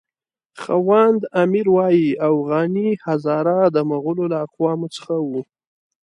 خواند امیر وایي اوغاني هزاره د مغولو له اقوامو څخه وو.